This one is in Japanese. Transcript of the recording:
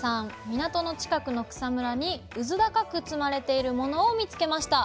港の近くの草むらにうずだかく積まれているものを見つけました。